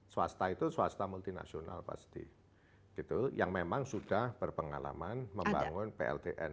swasta itu swasta multinasional pasti gitu yang memang sudah berpengalaman membangun pltn